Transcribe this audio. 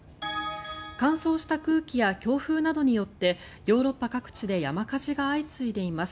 乾燥した空気や強風などによってヨーロッパ各地で山火事が相次いでいます。